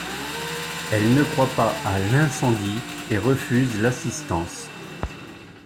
Elle ne croit pas à l'incendie et refuse l'assistance.